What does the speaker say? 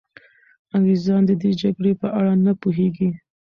انګریزان د دې جګړې په اړه نه پوهېږي.